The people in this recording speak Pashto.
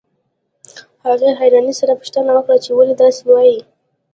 هغې حيرانۍ سره پوښتنه وکړه چې ولې داسې وايئ.